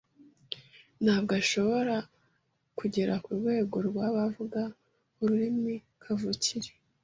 ntabwo ashobora kugera kurwego rwabavuga ururimi kavukire.